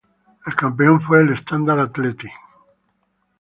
El campeón fue el Standard Athletic.